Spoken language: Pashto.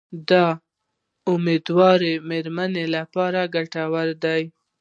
د امیندواره میرمنو لپاره ګټور دي.